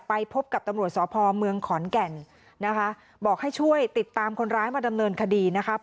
ไปพบกับตำรวจสพเมืองขอนแก่นนะคะบอกให้ช่วยติดตามคนร้ายมาดำเนินคดีนะครับ